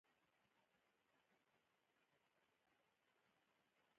که پیرودونکی راضي وي، دا د زړورتیا نښه ده.